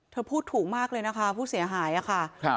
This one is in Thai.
เธอพูดถูกมากเลยนะคะผู้เสียหายค่ะ